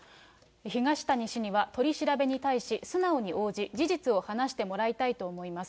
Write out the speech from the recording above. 東谷氏には取り調べに対し、素直に応じ、事実を話してもらいたいと思います。